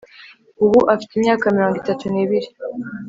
ubu afite imyaka mirongo itatu nibiri